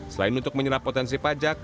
selain untuk menyerap potensi pajak